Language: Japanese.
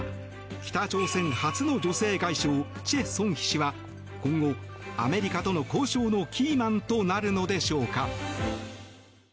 北朝鮮初の女性外相チェ・ソンヒ氏は今後、アメリカとの交渉のキーマンとなるのでしょうか。